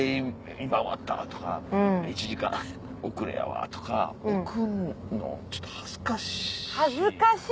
「今終わった」とか「１時間遅れやわ」とか送んのちょっと恥ずかしい。